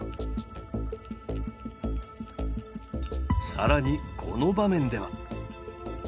更にこの場面では。